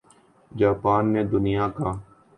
Japan نے دنیا کا